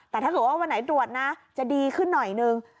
แต่ถ้าเกิดว่าวันไหนตรวจนะจะดีขึ้นหน่อยนึง